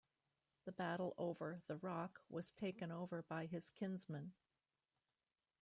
The battle over "the rock" was taken over by his kinsmen.